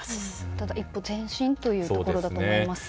ただ一歩前進というところだと思います。